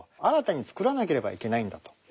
新たに創らなければいけないんだと。